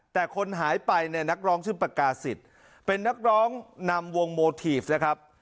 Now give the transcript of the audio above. แต่คนหายไปเนี่ยนักร้องชื่อปากาศิษย์เป็นนักร้องนำวงโมทีฟนะครับ